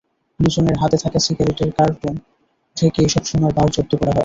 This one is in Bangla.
দুজনের হাতে থাকা সিগারেটের কার্টন থেকে এসব সোনার বার জব্দ করা হয়।